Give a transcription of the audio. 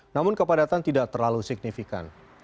namun kepadatan tidak terlalu signifikan